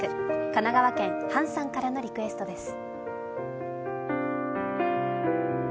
神奈川県ハンさんからのリクエストです。